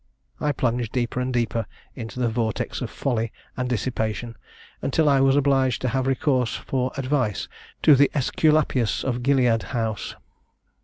I plunged deeper and deeper into the vortex of folly and dissipation, until I was obliged to have recourse for advice to the Ãsculapius of Gilead House.